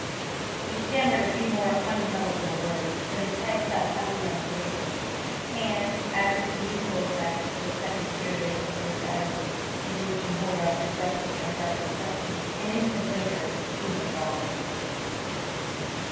He stammered a few more unintelligible words, then his head fell heavily on the table, and, as is the usual effect of the second period of inebriety, into which Enjolras had roughly and abruptly thrust him, an instant later he had fallen asleep.